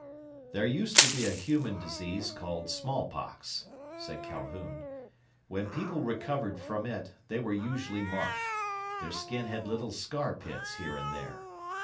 "There used to be a human disease called smallpox," said Calhoun. "When people recovered from it, they were usually marked. Their skin had little scar pits here and there.